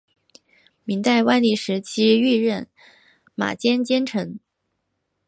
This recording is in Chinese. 明代万历时期任御马监监丞。